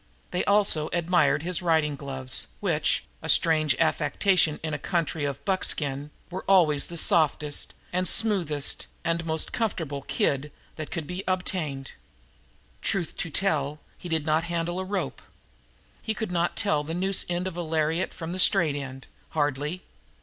They also admired his riding gloves which, a strange affectation in a country of buckskin, were always the softest and the smoothest and the most comfortable kid that could be obtained. Truth to tell, he did not handle a rope. He could not tell the noose end of a lariat from the straight end, hardly.